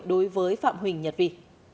đối với phạm huỳnh nhật vy